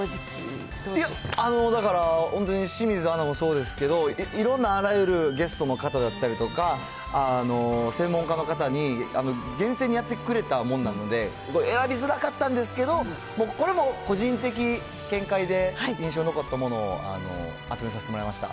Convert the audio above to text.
だから、本当に清水アナもそうですけど、いろんなあらゆるゲストの方だったりとか、専門家の方に厳正にやってくれたものなので、選びづらかったんですけど、もう、これも個人的見解で印象に残ったものを集めさせてもらいました。